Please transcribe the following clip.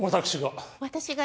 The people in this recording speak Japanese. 私が！